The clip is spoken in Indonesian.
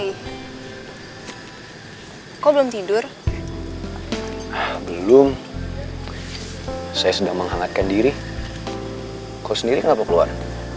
hai hei hai kok belum tidur belum saya sedang menghangatkan diri kau sendiri kenapa keluar